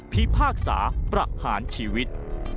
พิพากษาประหารชีวิต